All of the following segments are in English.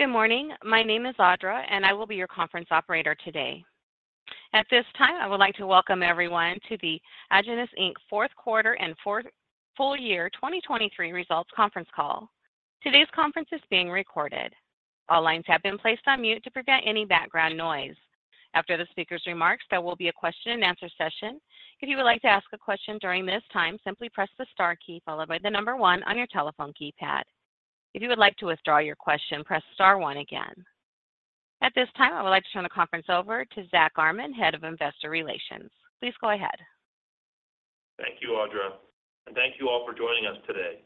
Good morning. My name is Audra, and I will be your conference operator today. At this time, I would like to welcome everyone to the Agenus Inc. fourth quarter and full year 2023 results conference call. Today's conference is being recorded. All lines have been placed on mute to prevent any background noise. After the speaker's remarks, there will be a question-and-answer session. If you would like to ask a question during this time, simply press the star key followed by the number one on your telephone keypad. If you would like to withdraw your question, Press Star one again. At this time, I would like to turn the conference over to Zack Armen, head of investor relations. Please go ahead. Thank you, Audra. Thank you all for joining us today.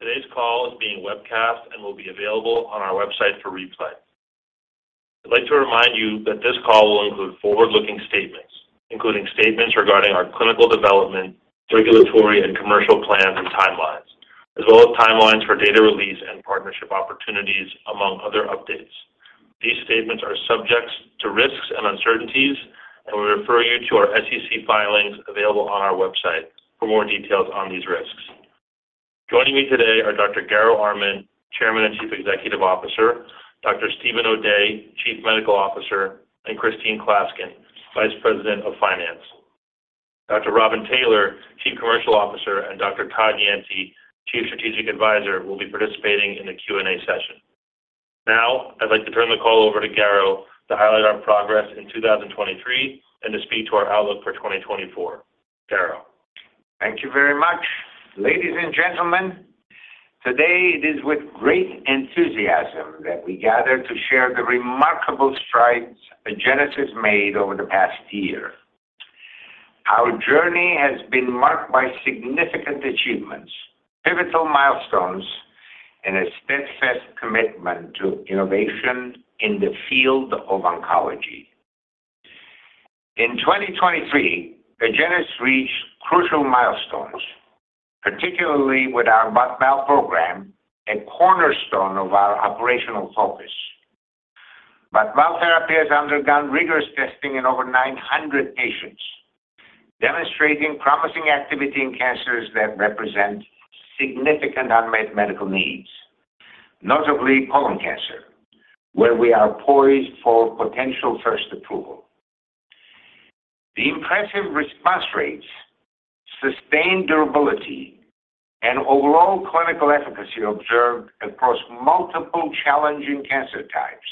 Today's call is being webcast and will be available on our website for replay. I'd like to remind you that this call will include forward-looking statements, including statements regarding our clinical development, regulatory, and commercial plans and timelines, as well as timelines for data release and partnership opportunities, among other updates. These statements are subject to risks and uncertainties, and we refer you to our SEC filings available on our website for more details on these risks. Joining me today are Dr. Garo Armen, Chairman and Chief Executive Officer; Dr. Steven O'Day, Chief Medical Officer; and Christine Klaskin, Vice President of Finance. Dr. Robin Taylor, Chief Commercial Officer; and Dr. Todd Yancey, Chief Strategic Advisor, will be participating in the Q&A session. Now, I'd like to turn the call over to Garo to highlight our progress in 2023 and to speak to our outlook for 2024. Garo. Thank you very much. Ladies and gentlemen, today it is with great enthusiasm that we gather to share the remarkable strides Agenus made over the past year. Our journey has been marked by significant achievements, pivotal milestones, and a steadfast commitment to innovation in the field of oncology. In 2023, Agenus reached crucial milestones, particularly with our botensilimab program, a cornerstone of our operational focus. Botensilimab therapy has undergone rigorous testing in over 900 patients, demonstrating promising activity in cancers that represent significant unmet medical needs, notably colon cancer, where we are poised for potential first approval. The impressive response rates, sustained durability, and overall clinical efficacy observed across multiple challenging cancer types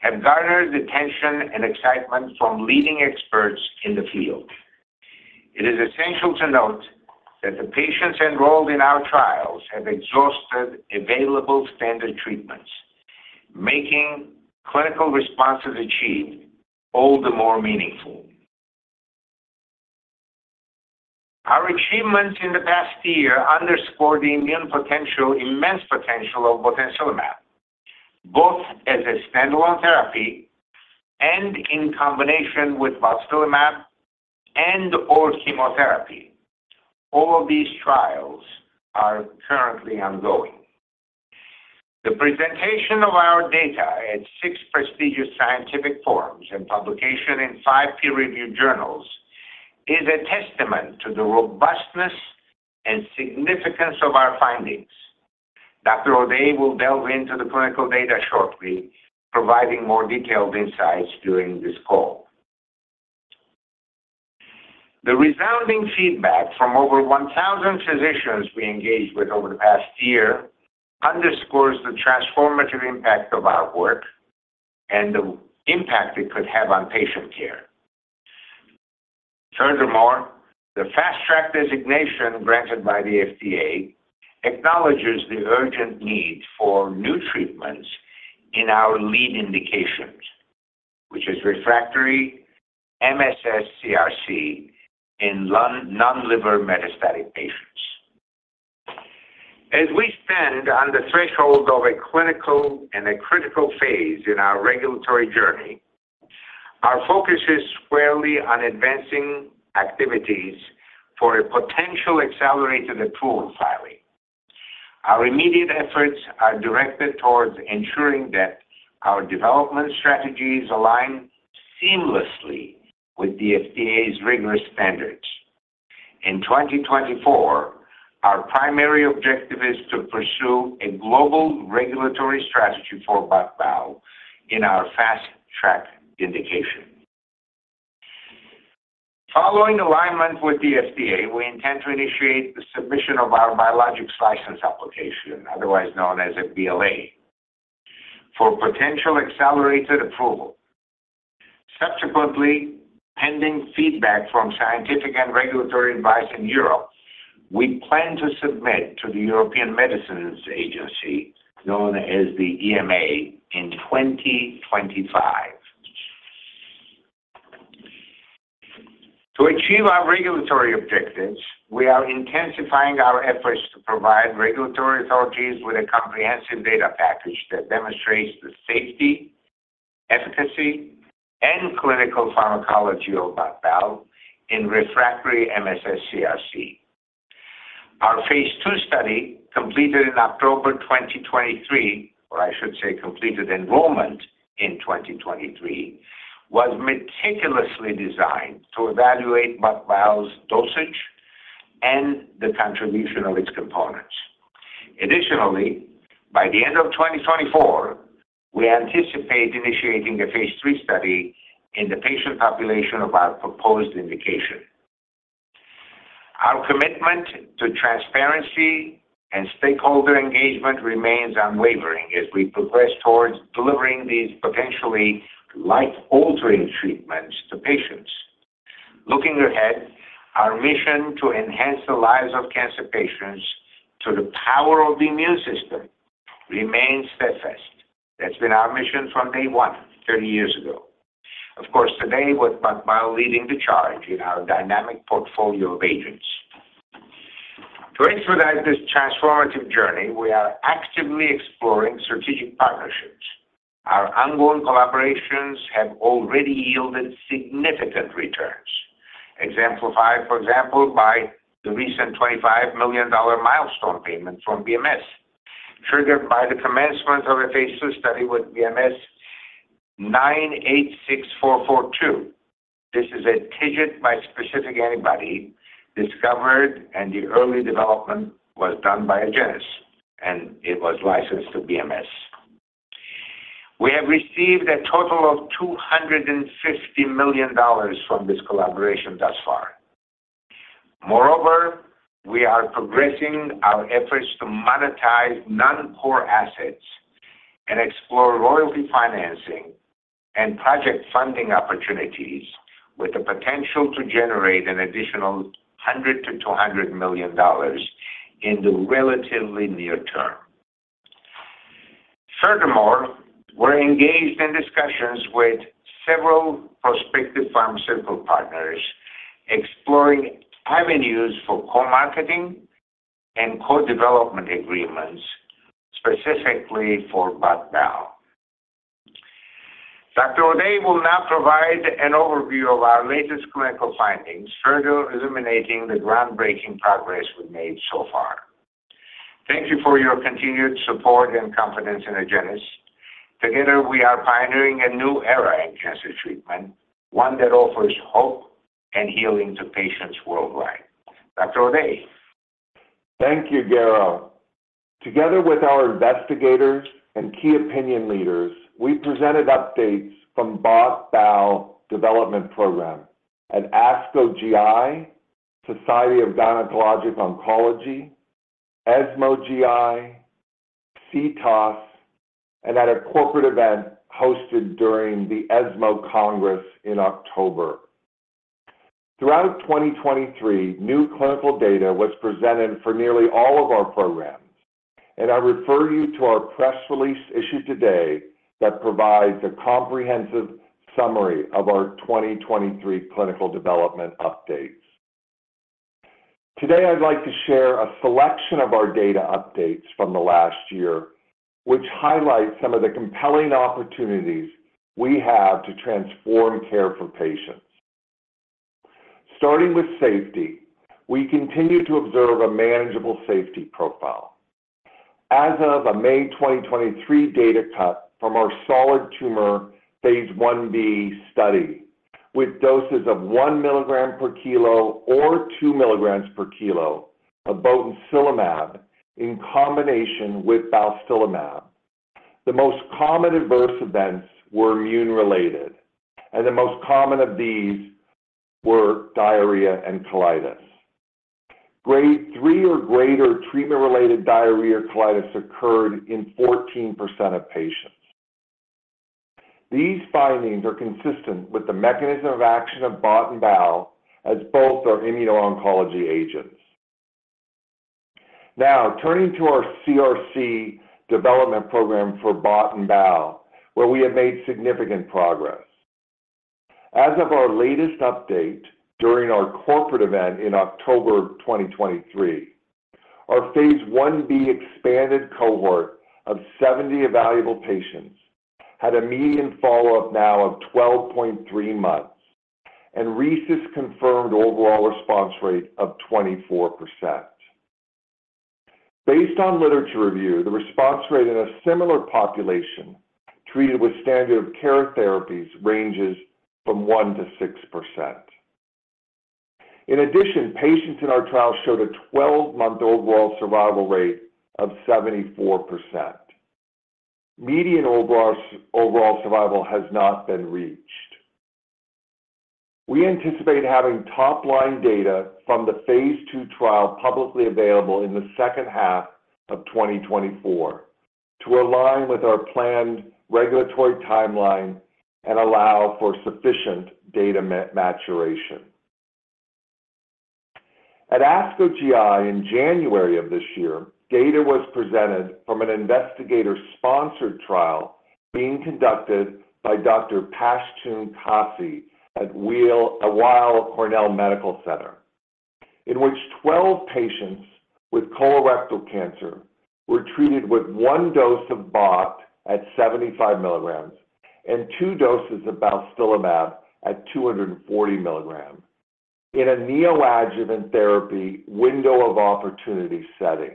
have garnered the attention and excitement from leading experts in the field. It is essential to note that the patients enrolled in our trials have exhausted available standard treatments, making clinical responses achieved all the more meaningful. Our achievements in the past year underscore the immune potential immense potential of botensilimab, both as a standalone therapy and in combination with botensilimab and/or chemotherapy. All of these trials are currently ongoing. The presentation of our data at six prestigious scientific forums and publication in five peer-reviewed journals is a testament to the robustness and significance of our findings. Dr. O'Day will delve into the clinical data shortly, providing more detailed insights during this call. The resounding feedback from over 1,000 physicians we engaged with over the past year underscores the transformative impact of our work and the impact it could have on patient care. Furthermore, the Fast Track designation granted by the FDA acknowledges the urgent need for new treatments in our lead indications, which is Refractory MSS-CRC in non-liver metastatic patients. As we stand on the threshold of a clinical and a critical phase in our regulatory journey, our focus is squarely on advancing activities for a potential accelerated approval filing. Our immediate efforts are directed towards ensuring that our development strategies align seamlessly with the FDA's rigorous standards. In 2024, our primary objective is to pursue a global regulatory strategy for botensilimab in our Fast Track indication. Following alignment with the FDA, we intend to initiate the submission of our Biologics License Application, otherwise known as a BLA, for potential accelerated approval. Subsequently, pending feedback from scientific and regulatory advice in Europe, we plan to submit to the European Medicines Agency, known as the EMA, in 2025. To achieve our regulatory objectives, we are intensifying our efforts to provide regulatory authorities with a comprehensive data package that demonstrates the safety, efficacy, and clinical pharmacology of botensilimab in refractory MSS-CRC. Our phase II study, completed in October 2023, or I should say, completed enrollment in 2023, was meticulously designed to evaluate botensilimab's dosage and the contribution of its components. Additionally, by the end of 2024, we anticipate initiating a phase III study in the patient population of our proposed indication. Our commitment to transparency and stakeholder engagement remains unwavering as we progress towards delivering these potentially life-altering treatments to patients. Looking ahead, our mission to enhance the lives of cancer patients through the power of the immune system remains steadfast. That's been our mission from day one, 30 years ago. Of course, today with botensilimab leading the charge in our dynamic portfolio of agents. To expedite this transformative journey, we are actively exploring strategic partnerships. Our ongoing collaborations have already yielded significant returns, exemplified, for example, by the recent $25 million milestone payment from BMS, triggered by the commencement of a phase III study with BMS-986442. This is a TIGIT bispecific antibody discovered, and the early development was done by Agenus, and it was licensed to BMS. We have received a total of $250 million from this collaboration thus far. Moreover, we are progressing our efforts to monetize non-core assets and explore royalty financing and project funding opportunities, with the potential to generate an additional $100 million-$200 million in the relatively near term. Furthermore, we're engaged in discussions with several prospective pharmaceutical partners, exploring avenues for co-marketing and co-development agreements, specifically for botensilimab. Dr. O'Day will now provide an overview of our latest clinical findings, further illuminating the groundbreaking progress we've made so far. Thank you for your continued support and confidence in Agenus. Together, we are pioneering a new era in cancer treatment, one that offers hope and healing to patients worldwide. Dr. O'Day. Thank you, Garo. Together with our investigators and key opinion leaders, we presented updates from botensilimab Bowel Development Program at ASCO-GI, Society of Gynecologic Oncology, ESMO-GI, CTOS, and at a corporate event hosted during the ESMO Congress in October. Throughout 2023, new clinical data was presented for nearly all of our programs, and I refer you to our press release issued today that provides a comprehensive summary of our 2023 clinical development updates. Today, I'd like to share a selection of our data updates from the last year, which highlight some of the compelling opportunities we have to transform care for patients. Starting with safety, we continue to observe a manageable safety profile. As of a May 2023 data cut from our solid tumor phase IB study, with doses of 1 mg per kilo or 2 mg per kilo of botensilimab in combination with balstilimab, the most common adverse events were immune-related, and the most common of these were diarrhea and colitis. Grade three or greater treatment-related diarrhea or colitis occurred in 14% of patients. These findings are consistent with the mechanism of action of Butt and Bowel as both are immuno-oncology agents. Now, turning to our CRC Development Program for Butt and Bowel, where we have made significant progress. As of our latest update during our corporate event in October 2023, our phase IB expanded cohort of 70 evaluable patients had a median follow-up now of 12.3 months, and RECIST confirmed overall response rate of 24%. Based on literature review, the response rate in a similar population treated with standard of care therapies ranges from 1%-6%. In addition, patients in our trial showed a 12month overall survival rate of 74%. Median overall survival has not been reached. We anticipate having top-line data from the phase II trial publicly available in the second half of 2024 to align with our planned regulatory timeline and allow for sufficient data maturation. At ASCO-GI in January of this year, data was presented from an investigator-sponsored trial being conducted by Dr. Pashtoon Kasi at Weill Cornell Medicine, in which 12 patients with colorectal cancer were treated with one dose of BOT at 75 mg and two doses of balstilimab at 240 mg in a neoadjuvant therapy window of opportunity setting.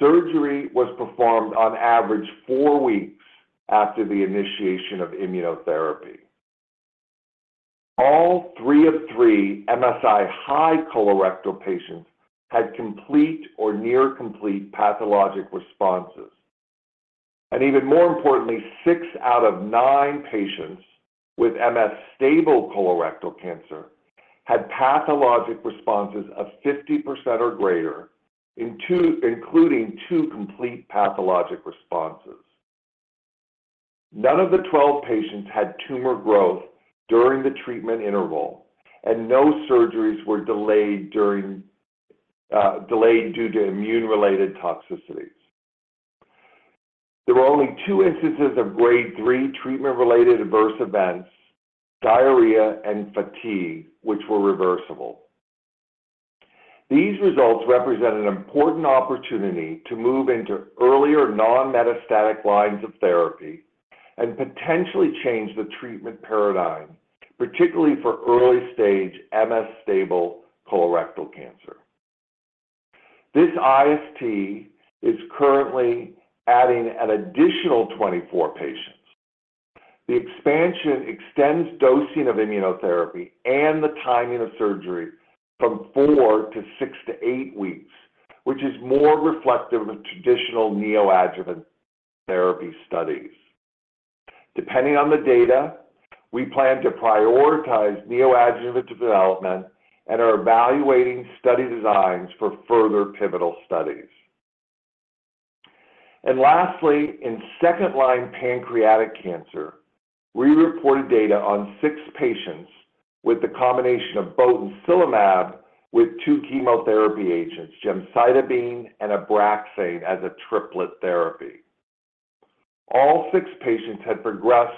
Surgery was performed on average four weeks after the initiation of immunotherapy. All three of three MSI high colorectal patients had complete or near-complete pathologic responses. Even more importantly, six out of nine patients with MS stable colorectal cancer had pathologic responses of 50% or greater, including two complete pathologic responses. None of the 12 patients had tumor growth during the treatment interval, and no surgeries were delayed due to immune-related toxicities. There were only two instances of Grade three treatment-related adverse events, diarrhea and fatigue, which were reversible. These results represent an important opportunity to move into earlier non-metastatic lines of therapy and potentially change the treatment paradigm, particularly for early-stage MS stable colorectal cancer. This IST is currently adding an additional 24 patients. The expansion extends dosing of immunotherapy and the timing of surgery from 4-6-8 weeks, which is more reflective of traditional neoadjuvant therapy studies. Depending on the data, we plan to prioritize neoadjuvant development and are evaluating study designs for further pivotal studies. Lastly, in second-line pancreatic cancer, we reported data on six patients with the combination of botensilimab with two chemotherapy agents, gemcitabine and Abraxane, as a triplet therapy. All 6 patients had progressed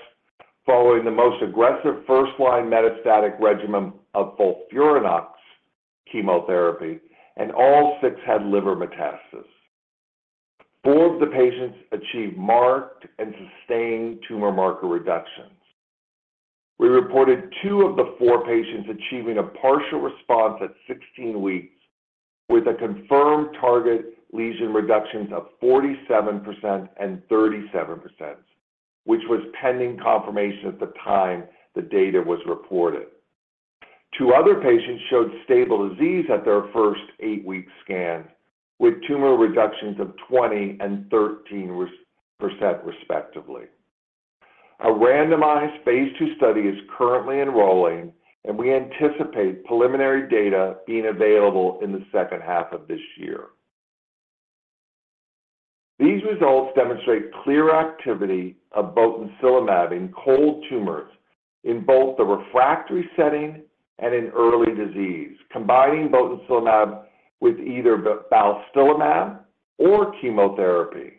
following the most aggressive first-line metastatic regimen of FOLFIRINOX chemotherapy, and all six had liver metastasis. four of the patients achieved marked and sustained tumor marker reductions. We reported two of the four patients achieving a partial response at 16 weeks, with a confirmed target lesion reductions of 47% and 37%, which was pending confirmation at the time the data was reported. 2 other patients showed stable disease at their first eight week scans, with tumor reductions of 20% and 13%, respectively. A randomized phase II study is currently enrolling, and we anticipate preliminary data being available in the second half of this year. These results demonstrate clear activity of botensilimab in cold tumors in both the refractory setting and in early disease, combining botensilimab with either balstilimab or chemotherapy.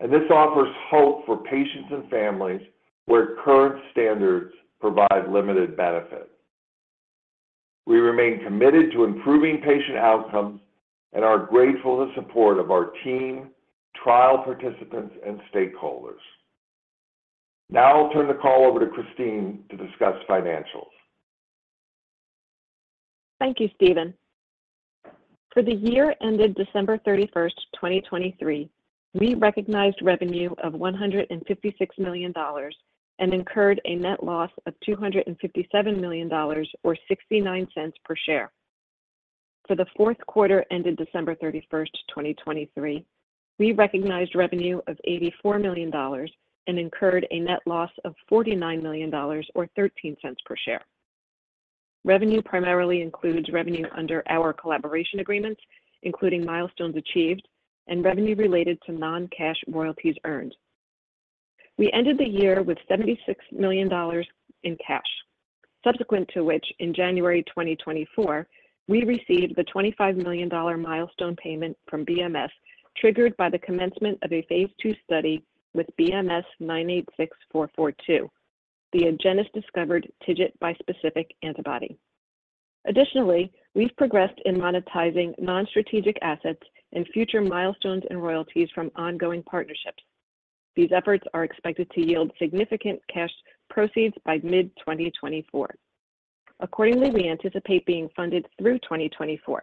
This offers hope for patients and families where current standards provide limited benefit. We remain committed to improving patient outcomes and are grateful to the support of our team, trial participants, and stakeholders. Now I'll turn the call over to Christine to discuss financials. Thank you, Stephen. For the year ended 31st December 2023, we recognized revenue of $156 million and incurred a net loss of $257 million or $0.69 per share. For the fourth quarter ended 31st December 2023, we recognized revenue of $84 million and incurred a net loss of $49 million or $0.13 per share. Revenue primarily includes revenue under our collaboration agreements, including milestones achieved, and revenue related to non-cash royalties earned. We ended the year with $76 million in cash, subsequent to which, in January 2024, we received the $25 million milestone payment from BMS triggered by the commencement of a phase II study with BMS-986442, the Agenus Discovered Bispecific Antibody. Additionally, we've progressed in monetizing non-strategic assets and future milestones and royalties from ongoing partnerships. These efforts are expected to yield significant cash proceeds by mid-2024. Accordingly, we anticipate being funded through 2024.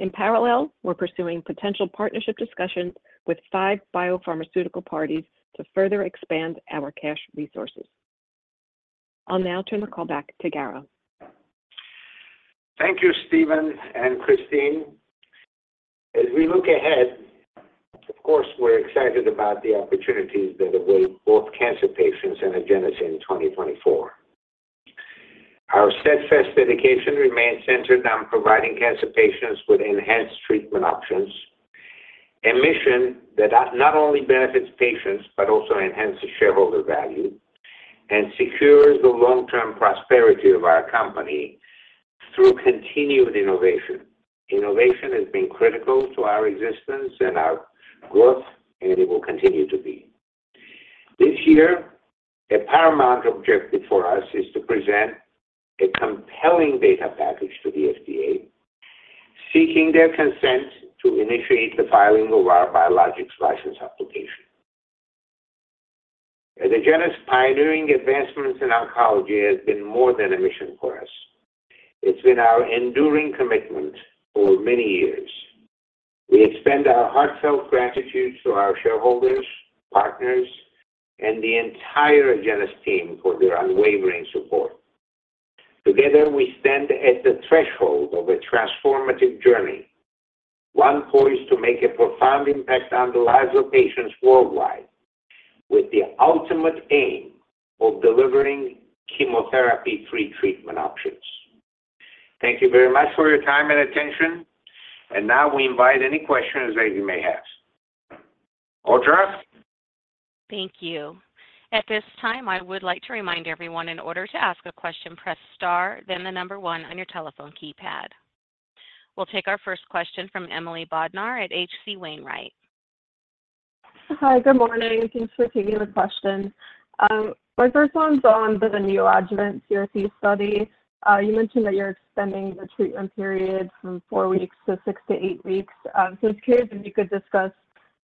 In parallel, we're pursuing potential partnership discussions with five biopharmaceutical parties to further expand our cash resources. I'll now turn the call back to Garo. Thank you, Stephen and Christine. As we look ahead, of course, we're excited about the opportunities that await both cancer patients and Agenus in 2024. Our steadfast dedication remains centered on providing cancer patients with enhanced treatment options, a mission that not only benefits patients but also enhances shareholder value and secures the long-term prosperity of our company through continued innovation. Innovation has been critical to our existence and our growth, and it will continue to be. This year, a paramount objective for us is to present a compelling data package to the FDA, seeking their consent to initiate the filing of our Biologics License Application. At Agenus, pioneering advancements in oncology have been more than a mission for us. It's been our enduring commitment for many years. We extend our heartfelt gratitude to our shareholders, partners, and the entire Agenus team for their unwavering support. Together, we stand at the threshold of a transformative journey, one poised to make a profound impact on the lives of patients worldwide, with the ultimate aim of delivering chemotherapy-free treatment options. Thank you very much for your time and attention, and now we invite any questions that you may have. Audra? Thank you. At this time, I would like to remind everyone, in order to ask a question, press star, then the number 1 on your telephone keypad. We'll take our first question from Emily Bodnar at H.C. Wainwright. Hi, good morning. Thanks for taking the question. My first one's on the neoadjuvant CRC study. You mentioned that you're extending the treatment period from four weeks to 6-8 weeks. So I was curious if you could discuss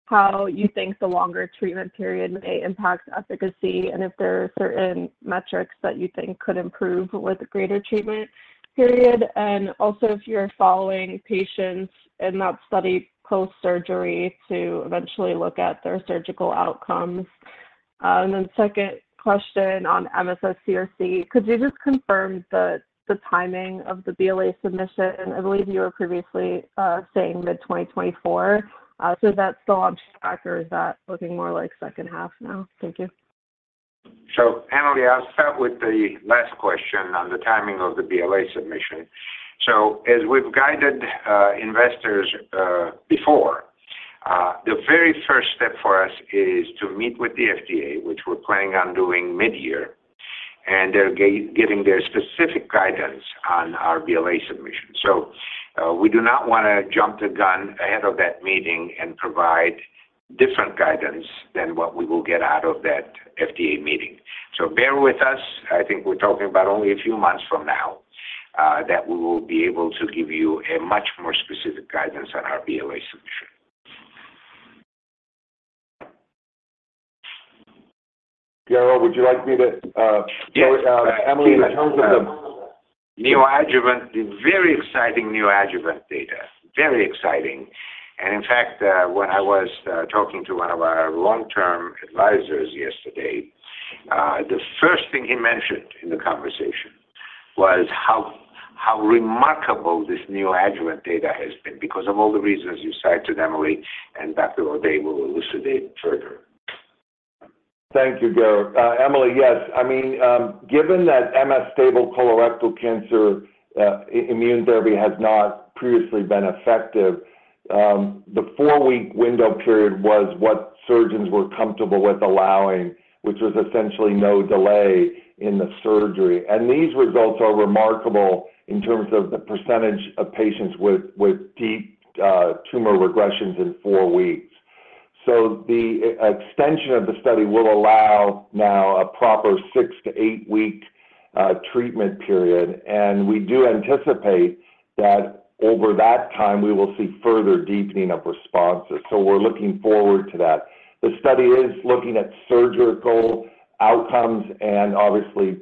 how you think the longer treatment period may impact efficacy and if there are certain metrics that you think could improve with a greater treatment period, and also if you're following patients in that study post-surgery to eventually look at their surgical outcomes. And then second question on MSS-CRC, could you just confirm the timing of the BLA submission? I believe you were previously saying mid-2024. So is that still on track, or is that looking more like second half now? Thank you. So, Emily, I'll start with the last question on the timing of the BLA submission. So as we've guided investors before, the very first step for us is to meet with the FDA, which we're planning on doing mid-year, and they're giving their specific guidance on our BLA submission. So we do not want to jump the gun ahead of that meeting and provide different guidance than what we will get out of that FDA meeting. So bear with us. I think we're talking about only a few months from now that we will be able to give you a much more specific guidance on our BLA submission. Garo, would you like me to? So, Emily, in terms of the. Neoadjuvant, the very exciting neoadjuvant data, very exciting. And in fact, when I was talking to one of our long-term advisors yesterday, the first thing he mentioned in the conversation was how remarkable this neoadjuvant data has been because of all the reasons you cited, Emily, and Dr. O'Day will elucidate further. Thank you, Garo. Emily, yes. I mean, given that MS stable colorectal cancer immune therapy has not previously been effective, the four week window period was what surgeons were comfortable with allowing, which was essentially no delay in the surgery. And these results are remarkable in terms of the percentage of patients with deep tumor regressions in four weeks. So the extension of the study will allow now a proper 6-8-week treatment period, and we do anticipate that over that time, we will see further deepening of responses. So we're looking forward to that. The study is looking at surgical outcomes and, obviously,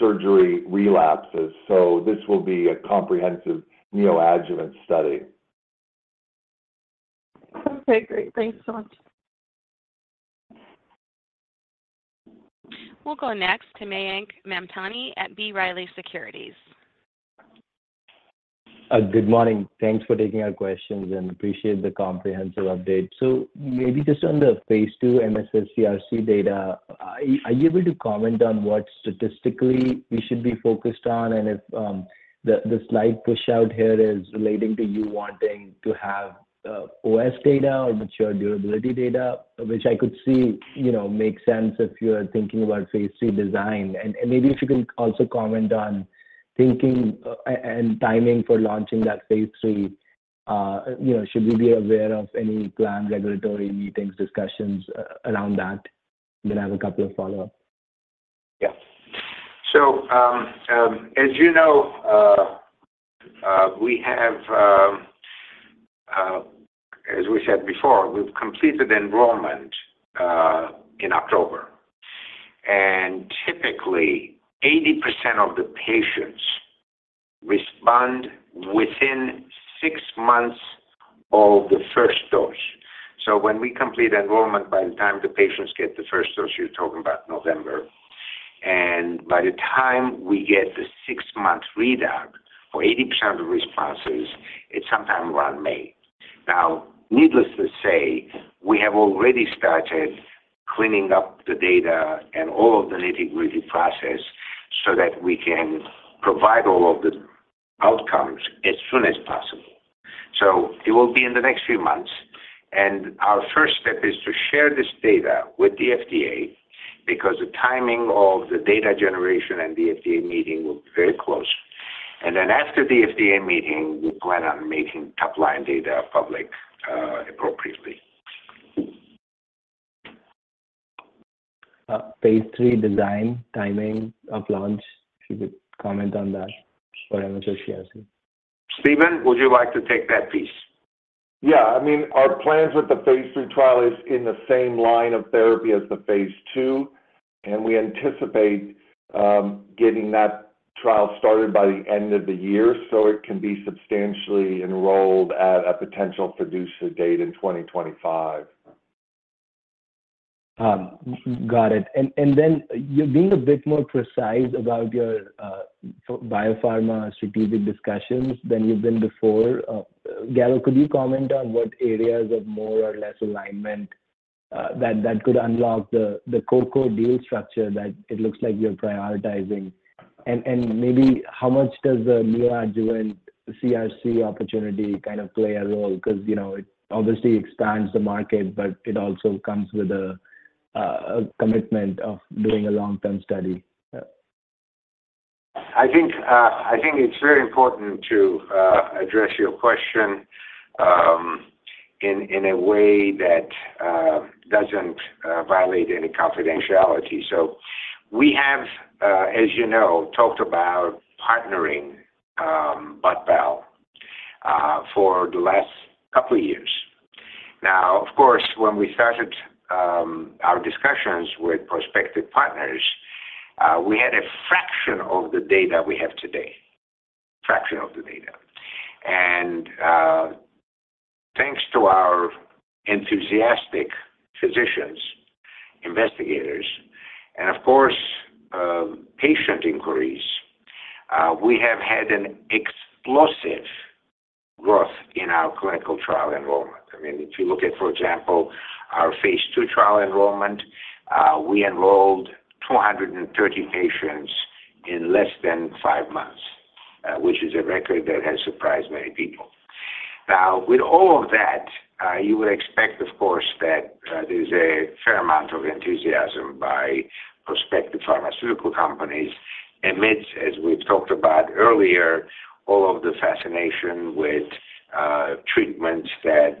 post-surgery relapses. So this will be a comprehensive neoadjuvant study. Okay, great. Thanks so much. We'll go next to Mayank Mamtani at B. Riley Securities. Good morning. Thanks for taking our questions and appreciate the comprehensive update. So maybe just on the phase II MSS-CRC data, are you able to comment on what statistically we should be focused on? And if the slight pushout here is relating to you wanting to have OS data or mature durability data, which I could see makes sense if you're thinking about phase III design. And maybe if you can also comment on thinking and timing for launching that phase III, should we be aware of any planned regulatory meetings, discussions around that? I'm going to have a couple of follow-ups. Yeah. So as you know, we have, as we said before, we've completed enrollment in October. And typically, 80% of the patients respond within six months of the first dose. So when we complete enrollment, by the time the patients get the first dose, you're talking about November. And by the time we get the six-month readout for 80% of responses, it's sometime around May. Now, needless to say, we have already started cleaning up the data and all of the nitty-gritty process so that we can provide all of the outcomes as soon as possible. So it will be in the next few months. And our first step is to share this data with the FDA because the timing of the data generation and the FDA meeting will be very close. And then after the FDA meeting, we plan on making top-line data public appropriately. phase III design timing of launch, if you could comment on that for MSS-CRC? Stephen, would you like to take that piece? Yeah. I mean, our plans with the phase III trial is in the same line of therapy as the phase II, and we anticipate getting that trial started by the end of the year so it can be substantially enrolled at a potential PDUFA date in 2025. Got it. And then you're being a bit more precise about your biopharma strategic discussions than you've been before. Garo, could you comment on what areas of more or less alignment that could unlock the core-core deal structure that it looks like you're prioritizing? And maybe how much does the neoadjuvant CRC opportunity kind of play a role? Because it obviously expands the market, but it also comes with a commitment of doing a long-term study. I think it's very important to address your question in a way that doesn't violate any confidentiality. So we have, as you know, talked about partnering botensilimab for the last couple of years. Now, of course, when we started our discussions with prospective partners, we had a fraction of the data we have today, a fraction of the data. And thanks to our enthusiastic physicians, investigators, and, of course, patient inquiries, we have had an explosive growth in our clinical trial enrollment. I mean, if you look at, for example, our phase II trial enrollment, we enrolled 230 patients in less than five months, which is a record that has surprised many people. Now, with all of that, you would expect, of course, that there's a fair amount of enthusiasm by prospective pharmaceutical companies amidst, as we've talked about earlier, all of the fascination with treatments that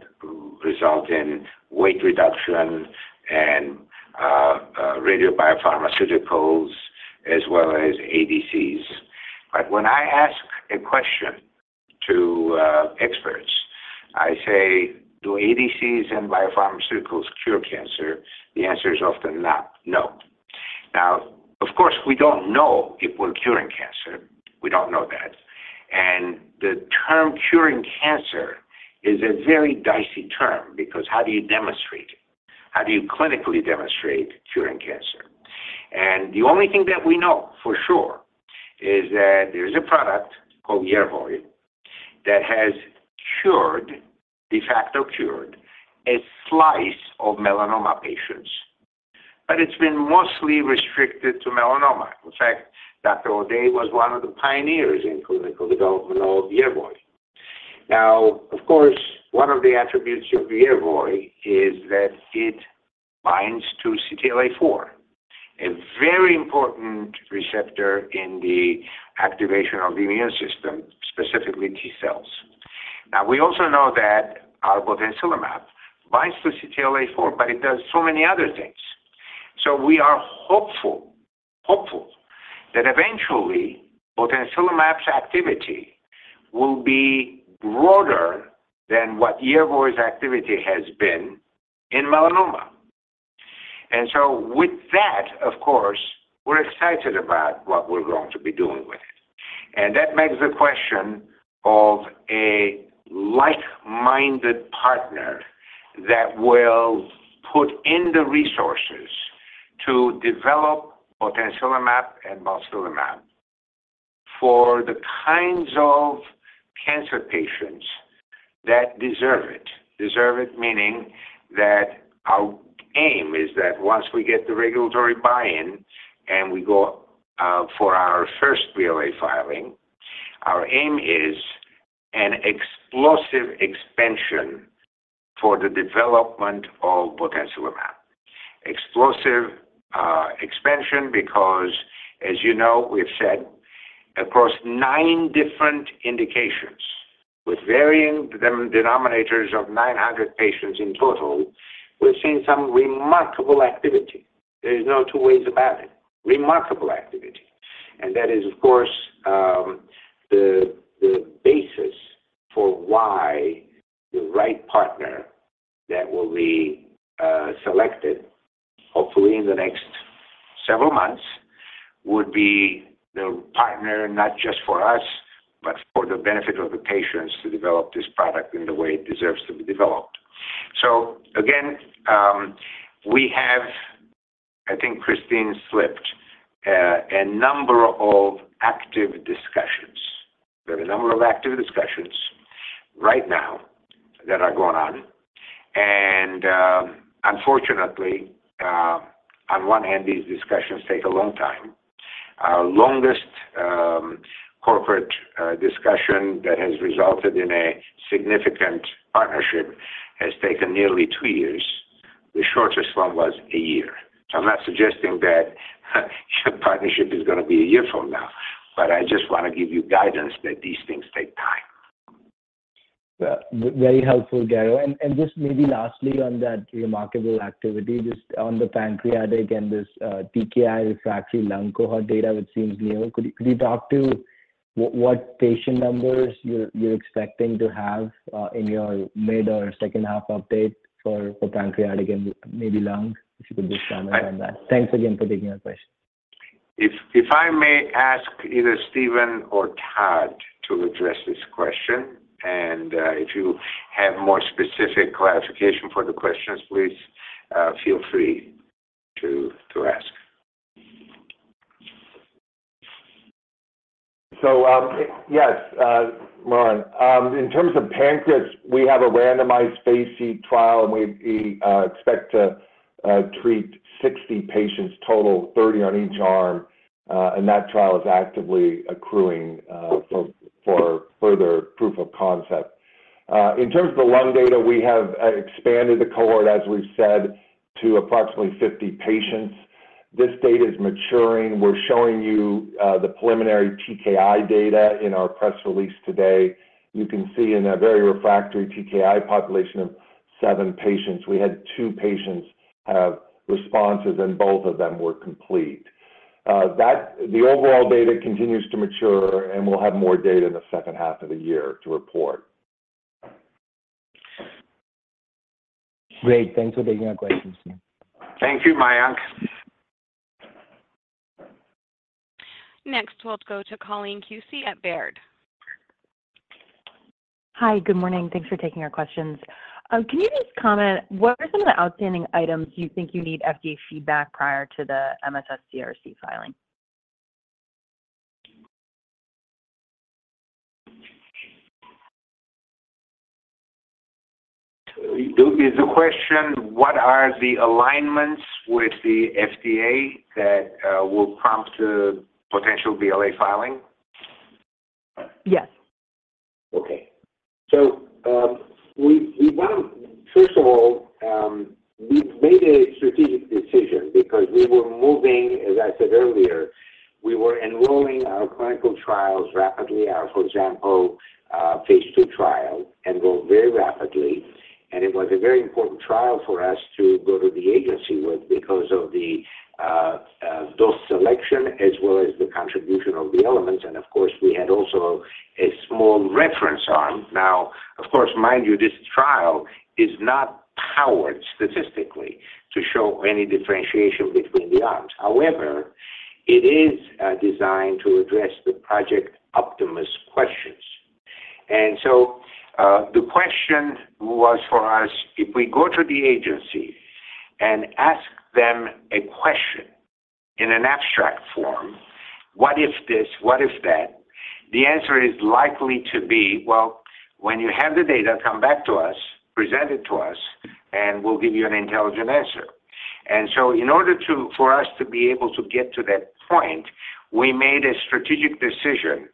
result in weight reduction and radiobiopharmaceuticals as well as ADCs. But when I ask a question to experts, I say, "Do ADCs and biopharmaceuticals cure cancer?" The answer is often not, no. Now, of course, we don't know it will cure cancer. We don't know that. And the term curing cancer is a very dicey term because how do you demonstrate it? How do you clinically demonstrate curing cancer? And the only thing that we know for sure is that there's a product called Yervoy that has cured, de facto cured, a slice of melanoma patients, but it's been mostly restricted to melanoma. In fact, Dr. O'Day was one of the pioneers in clinical development of Yervoy. Now, of course, one of the attributes of Yervoy is that it binds to CTLA-4, a very important receptor in the activation of the immune system, specifically T cells. Now, we also know that our botensilimab binds to CTLA-4, but it does so many other things. So we are hopeful, hopeful that eventually, botensilimab's activity will be broader than what Yervoy's activity has been in melanoma. And so with that, of course, we're excited about what we're going to be doing with it. That makes the question of a like-minded partner that will put in the resources to develop botensilimab and botensilimab for the kinds of cancer patients that deserve it, deserve it meaning that our aim is that once we get the regulatory buy-in and we go for our first BLA filing, our aim is an explosive expansion for the development of botensilimab, explosive expansion because, as you know, we've said, across nine different indications with varying denominators of 900 patients in total, we've seen some remarkable activity. There's no two ways about it, remarkable activity. And that is, of course, the basis for why the right partner that will be selected, hopefully in the next several months, would be the partner not just for us, but for the benefit of the patients to develop this product in the way it deserves to be developed. So again, we have, I think Christine slipped, a number of active discussions. There are a number of active discussions right now that are going on. Unfortunately, on one hand, these discussions take a long time. Our longest corporate discussion that has resulted in a significant partnership has taken nearly 2 years. The shortest one was one year. I'm not suggesting that your partnership is going to be 1 year from now, but I just want to give you guidance that these things take time. Very helpful, Garo. And just maybe lastly on that remarkable activity, just on the pancreatic and this TKI refractory lung cohort data, which seems new, could you talk to what patient numbers you're expecting to have in your mid or second half update for pancreatic and maybe lung, if you could just comment on that? Thanks again for taking our question. If I may ask either Stephen or Todd to address this question, and if you have more specific clarification for the questions, please feel free to ask. So yes, Marwan. In terms of pancreas, we have a randomized phase III trial, and we expect to treat 60 patients total, 30 on each arm. And that trial is actively accruing for further proof of concept. In terms of the lung data, we have expanded the cohort, as we've said, to approximately 50 patients. This data is maturing. We're showing you the preliminary TKI data in our press release today. You can see in a very refractory TKI population of seven patients, we had two patients have responses, and both of them were complete. The overall data continues to mature, and we'll have more data in the second half of the year to report. Great. Thanks for taking our questions, Stephen. Thank you, Mayank. Next, we'll go to Colleen Kusy at Baird. Hi. Good morning. Thanks for taking our questions. Can you just comment what are some of the outstanding items you think you need FDA feedback prior to the MSS-CRC filing? Is the question, what are the alignments with the FDA that will prompt potential BLA filing? Yes. Okay. So first of all, we've made a strategic decision because we were moving, as I said earlier, we were enrolling our clinical trials rapidly. For example, phase II trial enrolled very rapidly, and it was a very important trial for us to go to the agency with because of the dose selection as well as the contribution of the elements. And of course, we had also a small reference arm. Now, of course, mind you, this trial is not powered statistically to show any differentiation between the arms. However, it is designed to address the Project Optimus questions. And so the question was for us, if we go to the agency and ask them a question in an abstract form, what if this, what if that, the answer is likely to be, well, when you have the data, come back to us, present it to us, and we'll give you an intelligent answer. And so in order for us to be able to get to that point, we made a strategic decision,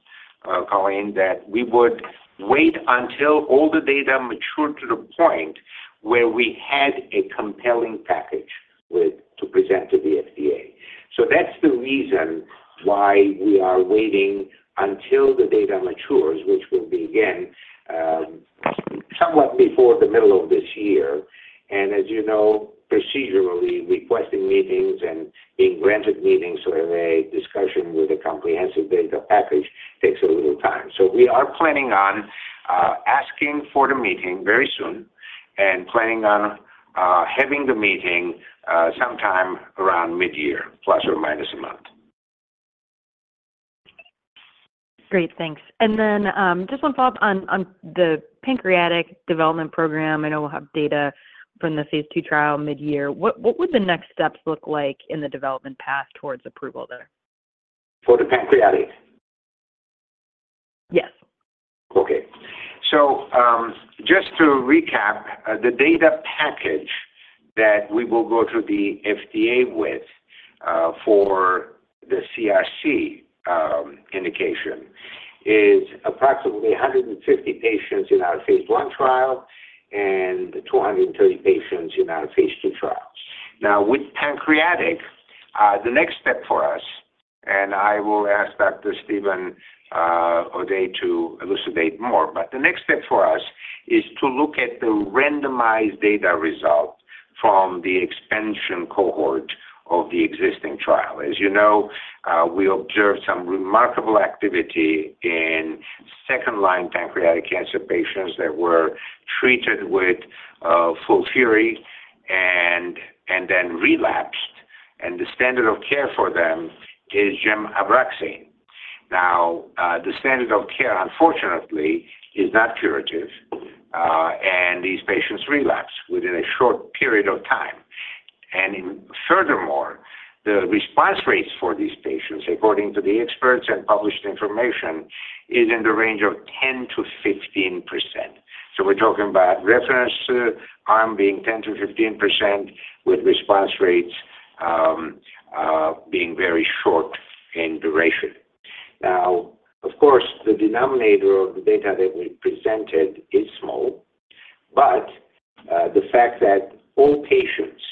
Colleen, that we would wait until all the data matured to the point where we had a compelling package to present to the FDA. So that's the reason why we are waiting until the data matures, which will be, again, somewhat before the middle of this year. And as you know, procedurally, requesting meetings and being granted meetings so that a discussion with a comprehensive data package takes a little time. We are planning on asking for the meeting very soon and planning on having the meeting sometime around mid-year, plus or minus a month. Great. Thanks. And then just one follow-up on the pancreatic development program. I know we'll have data from the phase II trial mid-year. What would the next steps look like in the development path towards approval there? For the pancreatic? Yes. Okay. So just to recap, the data package that we will go to the FDA with for the CRC indication is approximately 150 patients in our phase I trial and 230 patients in our phase II trial. Now, with pancreatic, the next step for us, and I will ask Dr. Steven O'Day to elucidate more, but the next step for us is to look at the randomized data result from the expansion cohort of the existing trial. As you know, we observed some remarkable activity in second-line pancreatic cancer patients that were treated with FOLFIRI and then relapsed, and the standard of care for them is gemcitabine. Now, the standard of care, unfortunately, is not curative, and these patients relapse within a short period of time. And furthermore, the response rates for these patients, according to the experts and published information, is in the range of 10%-15%. So we're talking about reference arm being 10%-15% with response rates being very short in duration. Now, of course, the denominator of the data that we presented is small, but the fact that all patients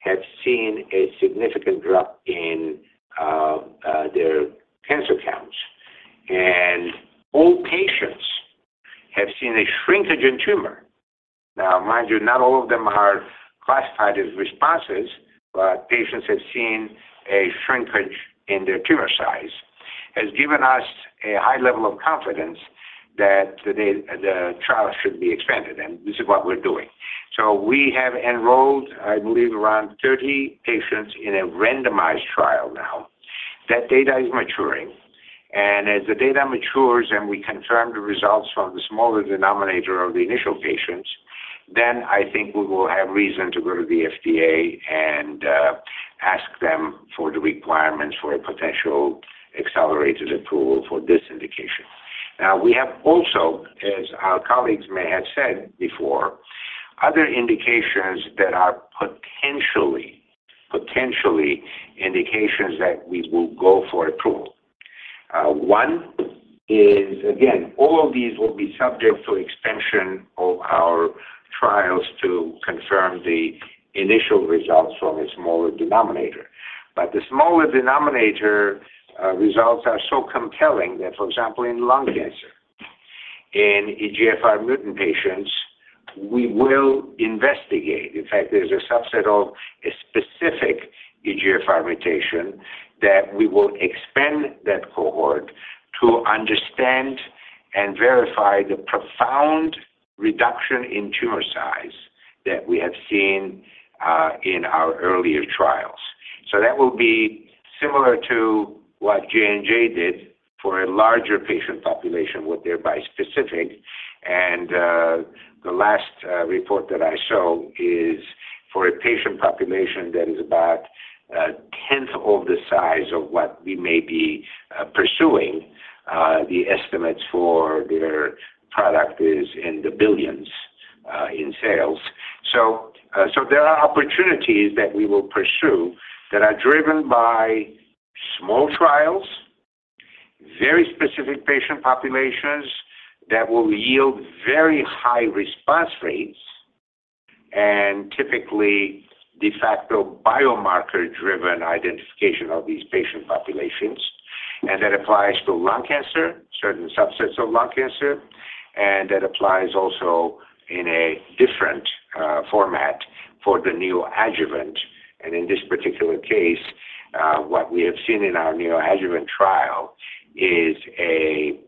have seen a significant drop in their cancer counts, and all patients have seen a shrinkage in tumor now, mind you, not all of them are classified as responses, but patients have seen a shrinkage in their tumor size has given us a high level of confidence that the trial should be expanded. And this is what we're doing. So we have enrolled, I believe, around 30 patients in a randomized trial now. That data is maturing. As the data matures and we confirm the results from the smaller denominator of the initial patients, then I think we will have reason to go to the FDA and ask them for the requirements for a potential accelerated approval for this indication. Now, we have also, as our colleagues may have said before, other indications that are potentially, potentially indications that we will go for approval. One is, again, all of these will be subject to expansion of our trials to confirm the initial results from a smaller denominator. But the smaller denominator results are so compelling that, for example, in lung cancer, in EGFR mutant patients, we will investigate. In fact, there's a subset of a specific EGFR mutation that we will expand that cohort to understand and verify the profound reduction in tumor size that we have seen in our earlier trials. So that will be similar to what J&J did for a larger patient population with their bispecific. And the last report that I saw is for a patient population that is about a tenth of the size of what we may be pursuing. The estimates for their product is in the $ billions in sales. So there are opportunities that we will pursue that are driven by small trials, very specific patient populations that will yield very high response rates and typically de facto biomarker-driven identification of these patient populations. And that applies to lung cancer, certain subsets of lung cancer, and that applies also in a different format for the neoadjuvant. And in this particular case, what we have seen in our neoadjuvant trial is a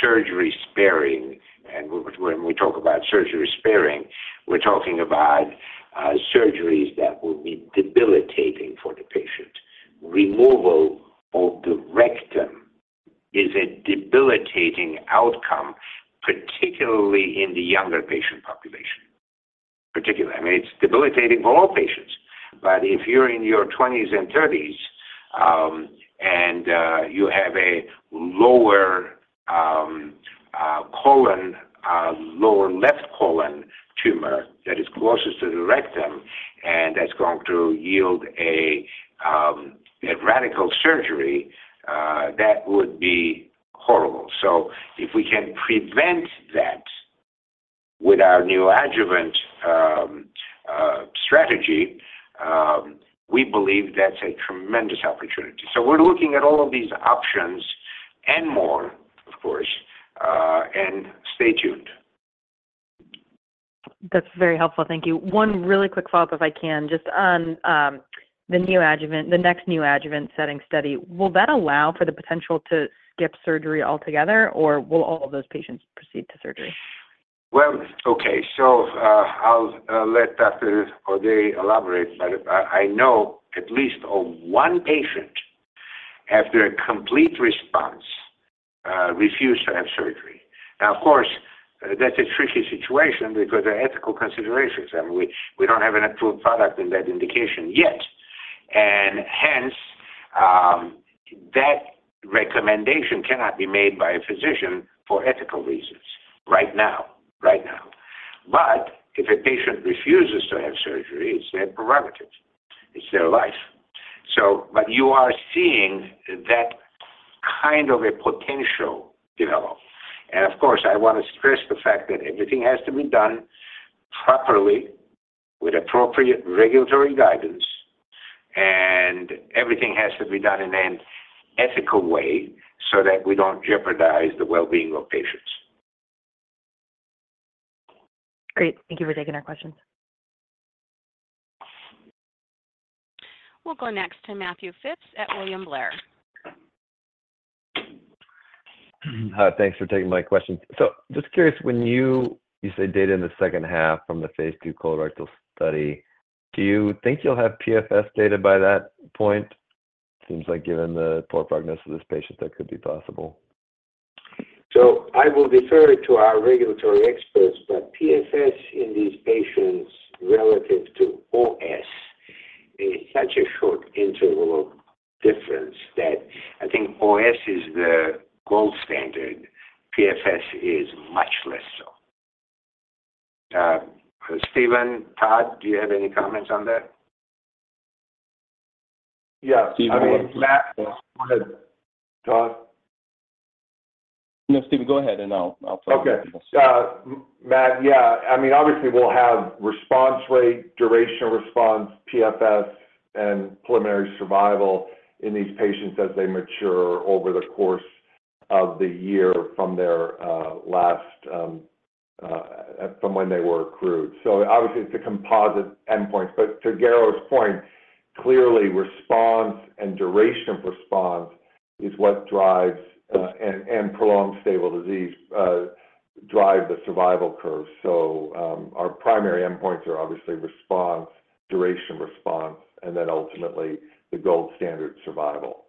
surgery sparing. And when we talk about surgery sparing, we're talking about surgeries that will be debilitating for the patient. Removal of the rectum is a debilitating outcome, particularly in the younger patient population, particularly. I mean, it's debilitating for all patients. But if you're in your 20s and 30s and you have a lower colon, lower left colon tumor that is closest to the rectum and that's going to yield a radical surgery, that would be horrible. So if we can prevent that with our neoadjuvant strategy, we believe that's a tremendous opportunity. So we're looking at all of these options and more, of course, and stay tuned. That's very helpful. Thank you. One really quick follow-up, if I can, just on the neoadjuvant, the next neoadjuvant setting study, will that allow for the potential to skip surgery altogether, or will all of those patients proceed to surgery? Well, okay. So I'll let Dr. O'Day elaborate. But I know at least one patient, after a complete response, refused to have surgery. Now, of course, that's a tricky situation because of ethical considerations. I mean, we don't have an approved product in that indication yet. And hence, that recommendation cannot be made by a physician for ethical reasons right now, right now. But if a patient refuses to have surgery, it's their prerogative. It's their life. But you are seeing that kind of a potential develop. And of course, I want to stress the fact that everything has to be done properly with appropriate regulatory guidance, and everything has to be done in an ethical way so that we don't jeopardize the well-being of patients. Great. Thank you for taking our questions. We'll go next to Matthew Phipps at William Blair. Thanks for taking my questions. So just curious, when you say data in the second half from the phase II colorectal study, do you think you'll have PFS data by that point? Seems like given the poor prognosis of this patient, that could be possible. So I will defer it to our regulatory experts. But PFS in these patients relative to OS is such a short interval of difference that I think OS is the gold standard. PFS is much less so. Stephen, Todd, do you have any comments on that? Yeah. Stephen, go ahead. Go ahead, Todd. No, Stephen, go ahead, and I'll follow up with you. Okay. Matt, yeah. I mean, obviously, we'll have response rate, duration of response, PFS, and preliminary survival in these patients as they mature over the course of the year from when they were accrued. So obviously, it's a composite endpoint. But to Garo's point, clearly, response and duration of response is what drives and prolonged stable disease drive the survival curve. So our primary endpoints are obviously response, duration response, and then ultimately the gold standard survival.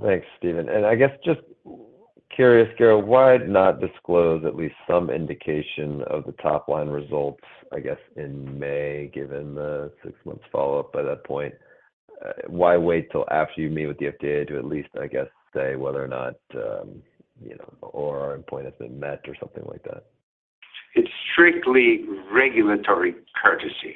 Thanks, Stephen. And I guess just curious, Garo, why not disclose at least some indication of the top-line results, I guess, in May given the six-month follow-up by that point? Why wait till after you meet with the FDA to at least, I guess, say whether or not our endpoint has been met or something like that? It's strictly regulatory courtesy.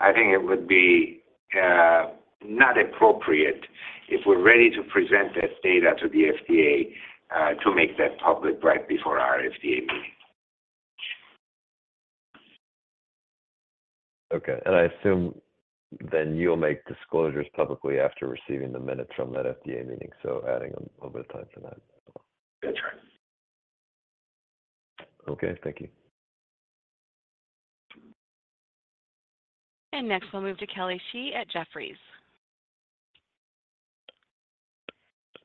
I think it would be not appropriate if we're ready to present that data to the FDA to make that public right before our FDA meeting. Okay. I assume then you'll make disclosures publicly after receiving the minutes from that FDA meeting, so adding a little bit of time to that as well. That's right. Okay. Thank you. Next, we'll move to Kelly Shi at Jefferies.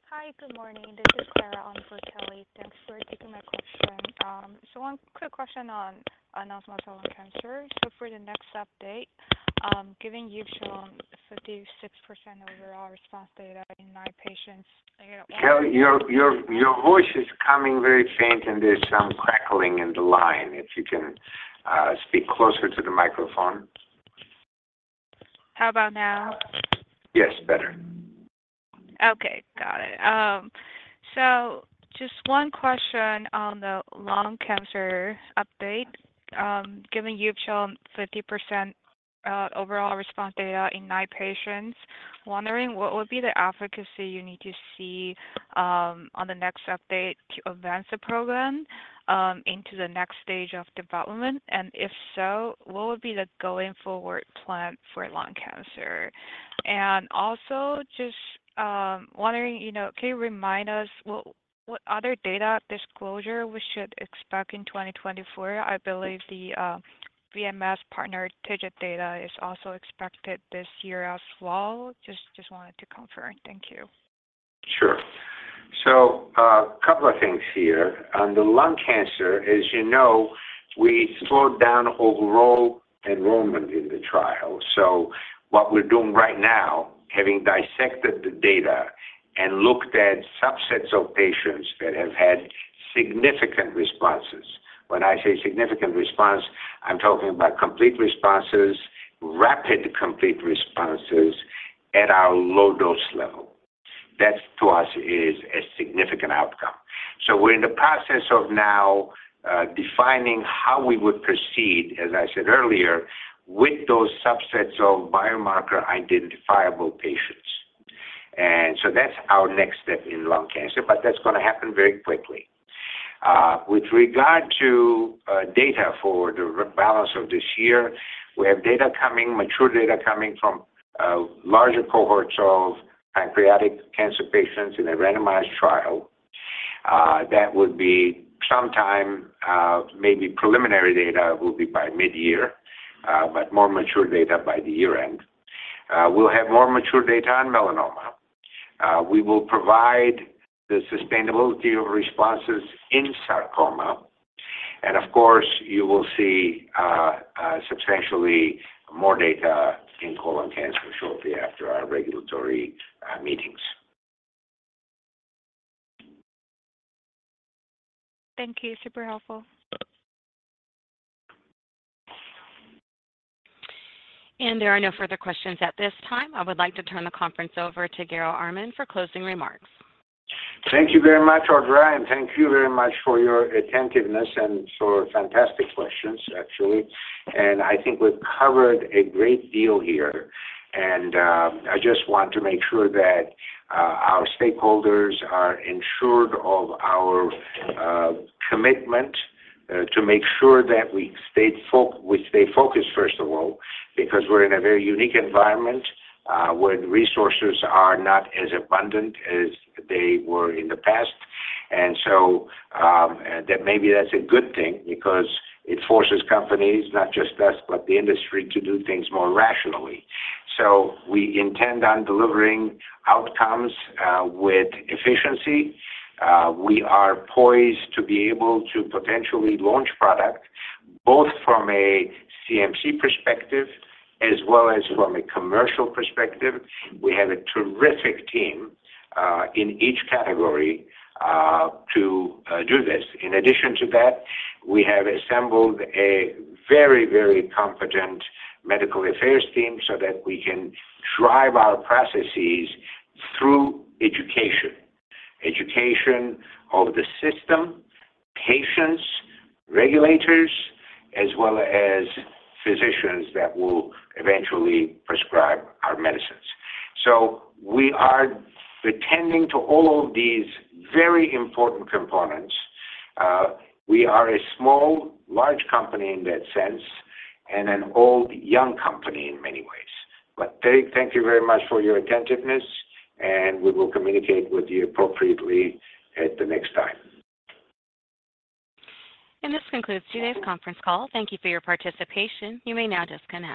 Hi. Good morning. This is Clara on for Kelly. Thanks for taking my question. One quick question on non-small cell lung cancer. For the next update, given you've shown 56% overall response data in MSI patients, I guess. Kelly, your voice is coming very faint, and there's some crackling in the line. If you can speak closer to the microphone. How about now? Yes, better. Okay. Got it. So just one question on the lung cancer update. Given you've shown 50% overall response data in my patients, wondering what would be the efficacy you need to see on the next update to advance the program into the next stage of development? And if so, what would be the going-forward plan for lung cancer? And also just wondering, can you remind us what other data disclosure we should expect in 2024? I believe the BMS partner TIGIT data is also expected this year as well. Just wanted to confirm. Thank you. Sure. So a couple of things here. On the lung cancer, as you know, we slowed down overall enrollment in the trial. So what we're doing right now, having dissected the data and looked at subsets of patients that have had significant responses—when I say significant response, I'm talking about complete responses, rapid complete responses at our low-dose level. That, to us, is a significant outcome. So we're in the process of now defining how we would proceed, as I said earlier, with those subsets of biomarker-identifiable patients. And so that's our next step in lung cancer, but that's going to happen very quickly. With regard to data for the balance of this year, we have mature data coming from larger cohorts of pancreatic cancer patients in a randomized trial. That would be sometime. Maybe preliminary data will be by mid-year, but more mature data by the year-end. We'll have more mature data on melanoma. We will provide the sustainability of responses in sarcoma. Of course, you will see substantially more data in colon cancer shortly after our regulatory meetings. Thank you. Super helpful. There are no further questions at this time. I would like to turn the conference over to Garo Armen for closing remarks. Thank you very much, Audra. Thank you very much for your attentiveness and for fantastic questions, actually. I think we've covered a great deal here. I just want to make sure that our stakeholders are assured of our commitment to make sure that we stay focused, first of all, because we're in a very unique environment where resources are not as abundant as they were in the past. So maybe that's a good thing because it forces companies, not just us but the industry, to do things more rationally. We intend on delivering outcomes with efficiency. We are poised to be able to potentially launch product both from a CMC perspective as well as from a commercial perspective. We have a terrific team in each category to do this. In addition to that, we have assembled a very, very competent medical affairs team so that we can drive our processes through education, education of the system, patients, regulators, as well as physicians that will eventually prescribe our medicines. So we are attending to all of these very important components. We are a small, large company in that sense and an old, young company in many ways. But thank you very much for your attentiveness, and we will communicate with you appropriately at the next time. This concludes today's Conference Call. Thank you for your participation. You may now disconnect.